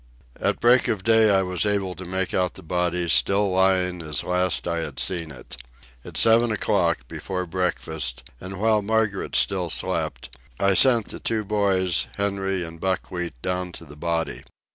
At break of day I was able to make out the body, still lying as last I had seen it. At seven o'clock, before breakfast, and while Margaret still slept, I sent the two boys, Henry and Buckwheat, down to the body.